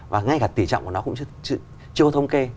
và ngay cả tỉ trọng của nó cũng chưa có thông kê